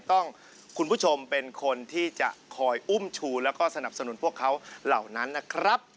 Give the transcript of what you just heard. คุณผู้ชมเป็นคนที่จะคอยอุ้มชูแล้วก็สนับสนุนพวกเขาเหล่านั้นนะครับ